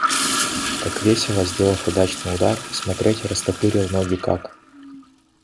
Как весело, сделав удачный удар, смотреть, растопырил ноги как.